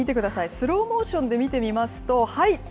スローモーションで見てみますと、はい！